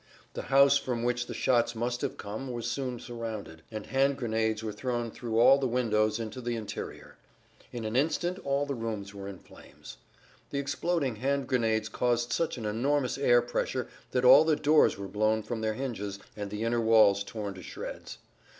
The house from which the shots must have come was soon surrounded, and hand grenades were thrown through all the windows into the interior. In an instant all the rooms were in flames. The exploding hand grenades caused such an[Pg 29] enormous air pressure that all the doors were blown from their hinges and the inner walls torn to shreds.